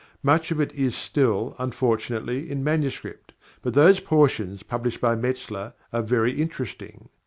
Much of it is still, unfortunately, in manuscript, but those portions published by Metzler are very interesting.